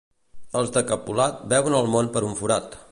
Els de Capolat veuen el món per un forat.